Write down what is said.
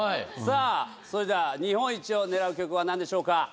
さあそれでは日本一を狙う曲は何でしょうか？